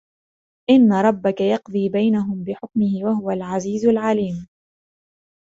إِنَّ رَبَّكَ يَقْضِي بَيْنَهُمْ بِحُكْمِهِ وَهُوَ الْعَزِيزُ الْعَلِيمُ